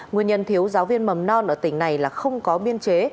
nguyên nhân thiếu giáo viên mầm non ở tỉnh này là không có biên chế